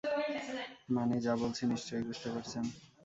মানে, যা বলছি নিশ্চয়ই বুঝতে পারছেন?